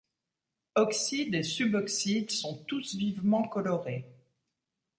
Oxydes et suboxydes sont tous vivement colorés.